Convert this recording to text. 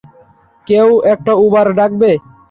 কেউ একটা উবার ডাকবে?